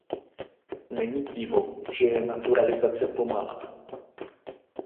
Není divu, že je naturalizace pomalá.